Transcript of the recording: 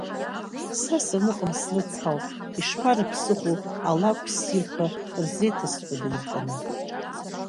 Са саныҟам, срыцҳауп, ишԥарыԥсыхәо, алакә ссирқәа рзеиҭазҳәода иртәаны?